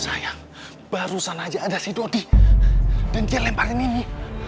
sayang barusan aja ada si dodi dan dia lemparin ini